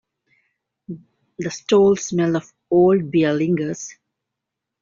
The stale smell of old beer lingers.